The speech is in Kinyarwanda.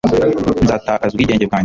nzatakaza ubwigenge bwanjye